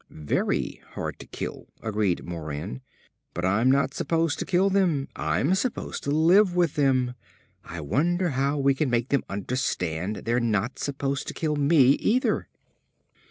"Very hard to kill," agreed Moran. "But I'm not supposed to kill them. I'm supposed to live with them! I wonder how we can make them understand they're not supposed to kill me either?"